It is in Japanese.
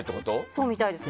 そうみたいです。